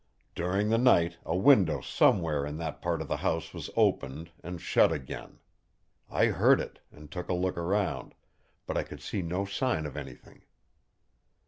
"During the night a window somewhere in that part of the house was opened, and shut again. I heard it, and took a look round; but I could see no sign of anything."